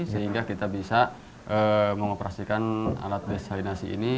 sehingga kita bisa mengoperasikan alat desainasi ini